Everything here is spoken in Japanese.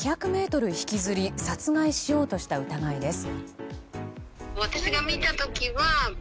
引きずり殺害しようとした疑いです。